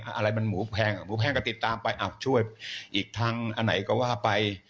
อะไรมันหมูแพงหมูแพงก็ติดตามไปช่วยอีกทางอันไหนก็ว่าไป